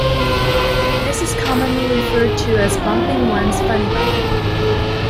This is commonly referred to as bumping one's "funny bone".